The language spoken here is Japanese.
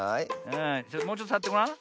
ああもうちょっとさわってごらん。